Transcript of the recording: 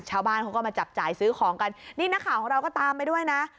ชาวบ้านเขาก็มาจับจ่ายซื้อของกันนี่นักข่าวของเราก็ตามไปด้วยนะ